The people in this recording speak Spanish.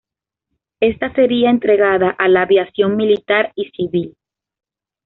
Ésta sería entregada a la aviación militar y civil.